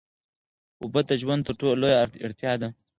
اوبه د ژوند تر ټولو لویه اړتیا ده.